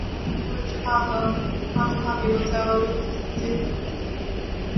社会进化和文化进化的理论在欧洲思想界很常见。